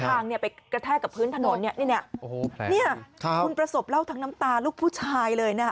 ทางไปกระแทกกับพื้นถนนนี่คุณประสบเล่าทั้งน้ำตาลูกผู้ชายเลยนะ